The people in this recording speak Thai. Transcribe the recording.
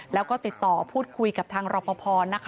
แล้วก็ติดต่อพูดคุยกับทางรอปภนะคะ